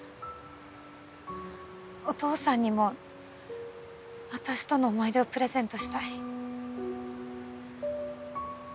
お父さんにも私との思い出をプレゼントしたい。